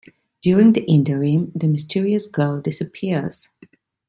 During the interim, the mysterious girl disappears.